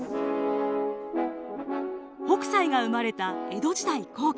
北斎が生まれた江戸時代後期。